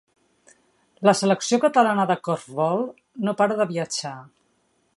La selecció catalana de corfbol no para de viatjar.